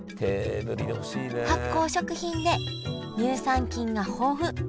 発酵食品で乳酸菌が豊富。